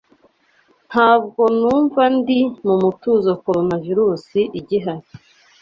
Ntabwo numva ndi mumutuzo Coronavirusi igihari